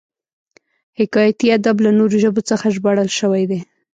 حکایتي ادب له نورو ژبو څخه ژباړل شوی دی